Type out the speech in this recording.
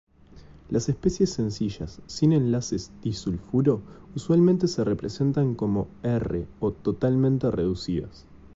Las especies sencillas sin enlaces disulfuro usualmente se representan como R o "totalmente reducidas".